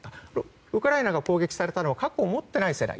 ウクライナが攻撃されたのは核を持っていないせいだ